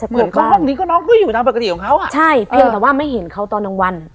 เหมือนข้างห้องนี้ก็น้องก็อยู่ตามปกติของเขาอะอเรนนี่ใช่เป็นแต่ว่าไม่เห็นเขาตอนดังวัน